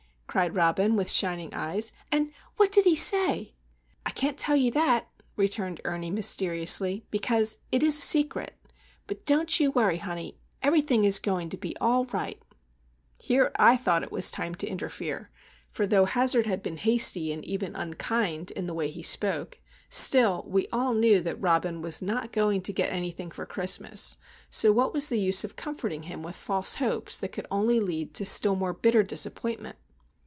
cried Robin, with shining eyes. "And what did he say?" "I can't tell you that," returned Ernie, mysteriously, "because it is a secret. But don't you worry, honey; everything is going to be all right!" Here I thought it time to interfere; for, though Hazard had been hasty and even unkind in the way he spoke, still we all knew that Robin was not going to get anything for Christmas,—so what was the use of comforting him with false hopes that could only lead to a still more bitter disappointment?